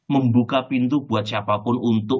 membuka pintu buat siapapun untuk